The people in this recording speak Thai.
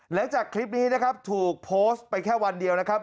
หลังจากคลิปนี้นะครับถูกโพสต์ไปแค่วันเดียวนะครับ